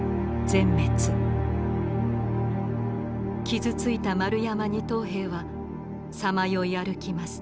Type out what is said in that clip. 傷ついた丸山二等兵はさまよい歩きます。